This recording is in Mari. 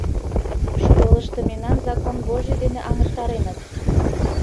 Школышто мемнам «закон божий» дене аҥыртареныт.